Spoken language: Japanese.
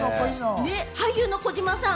俳優の児嶋さん？